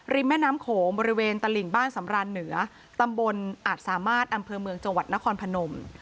แม่น้ำโขงบริเวณตลิ่งบ้านสำรานเหนือตำบลอาจสามารถอำเภอเมืองจังหวัดนครพนม